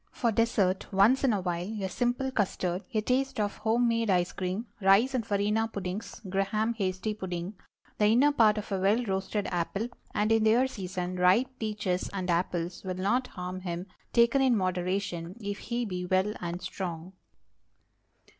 For dessert, once in a while, a simple custard, a taste of home made ice cream, rice and farina puddings, Graham hasty pudding; the inner part of a well roasted apple, and, in their season, ripe peaches and apples, will not harm him, taken in moderation, if he be well and strong.